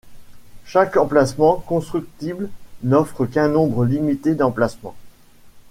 Chaque emplacement constructible n’offre qu’un nombre limité d’emplacement.